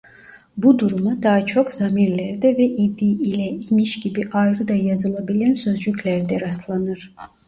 Bu duruma daha çok zamirlerde ve "idi" "ile" "imiş" gibi ayrı da yazılabilen sözcüklerde rastlanır.